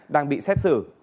đang bị xét xử